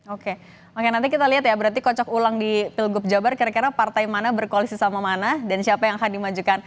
oke oke nanti kita lihat ya berarti kocok ulang di pilgub jabar kira kira partai mana berkoalisi sama mana dan siapa yang akan dimajukan